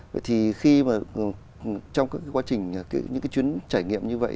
vậy thì khi mà trong các cái quá trình những cái chuyến trải nghiệm như vậy